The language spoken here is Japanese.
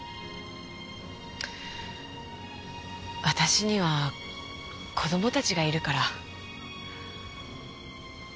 私には子供たちがいるから。